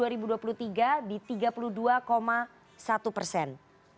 selanjutnya anies baswedan